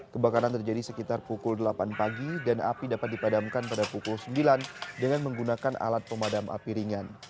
kebakaran terjadi sekitar pukul delapan pagi dan api dapat dipadamkan pada pukul sembilan dengan menggunakan alat pemadam api ringan